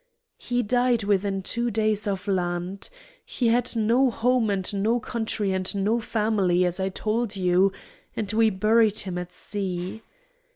He died within two days of land. He had no home and no country and no family, as I told you, and we buried him at sea.